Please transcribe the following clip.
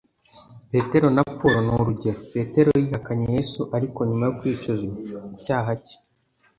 petero na paulo ni urugero.petero yihakanye yezu ariko nyuma yo kwicuza icyaha cye